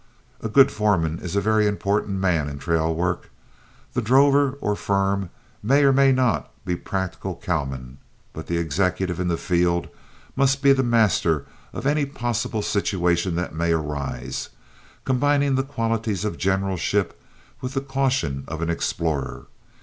A good foreman is a very important man in trail work. The drover or firm may or may not be practical cowmen, but the executive in the field must be the master of any possible situation that may arise, combining the qualities of generalship with the caution of an explorer.